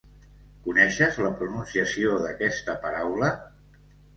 Coneixes la pronunciació d'aquesta paraula?